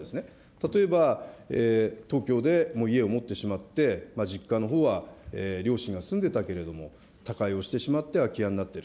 例えば東京で、もう家を持ってしまって実家のほうは両親が住んでたけれども、他界をしてしまって空き家になっている。